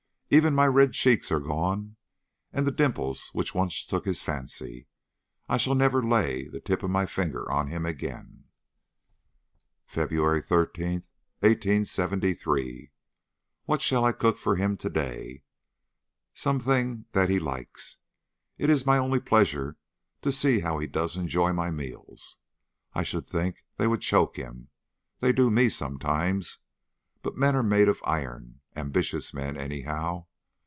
Even my red cheeks are gone, and the dimples which once took his fancy. I shall never lay the tip of a finger on him again." "FEBRUARY 13, 1873. What shall I cook for him to day? Some thing that he likes. It is my only pleasure, to see how he does enjoy my meals. I should think they would choke him; they do me sometimes. But men are made of iron ambitious men, anyhow.